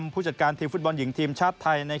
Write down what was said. ผู้จัดการทีมฟุตบอลหญิงทีมชาติไทย